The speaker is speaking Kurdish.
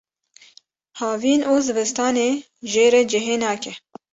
havîn û zivistanê jê re cihê nake.